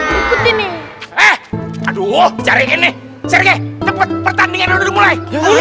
hai fai maaf ini eh aduh cari ini sergi tepat pertandingan mulai